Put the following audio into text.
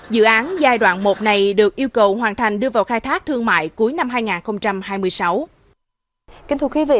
dự án giai đoạn một này được yêu cầu hoàn thành đưa vào khai thác thương mại cuối năm hai nghìn hai mươi sáu